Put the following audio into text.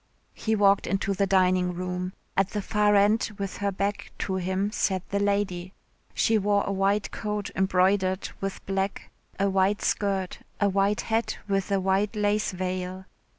He walked into the dining room. At the far end with her back to him sat the lady. She wore a white coat embroidered with black, a white skirt, a white hat with a white lace veil.